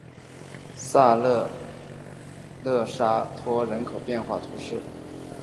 萨勒斯勒沙托人口变化图示